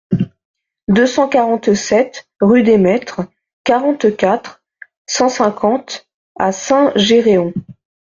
deux cent quarante-sept rue des Maîtres, quarante-quatre, cent cinquante à Saint-Géréon